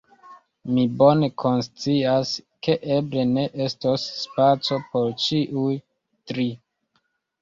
Mi bone konscias, ke eble ne estos spaco por ĉiuj tri.